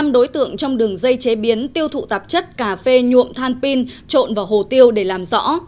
năm đối tượng trong đường dây chế biến tiêu thụ tạp chất cà phê nhuộm than pin trộn vào hồ tiêu để làm rõ